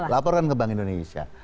laporkan ke bank indonesia